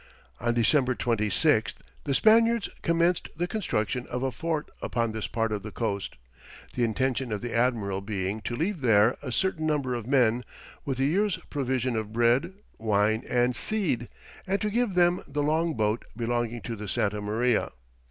On December 26th, the Spaniards commenced the construction of a fort upon this part of the coast, the intention of the admiral being to leave there a certain number of men, with a year's provision of bread, wine, and seed, and to give them the long boat belonging to the Santa Maria.